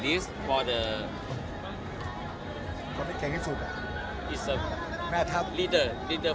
untuk perempuan yang terbaik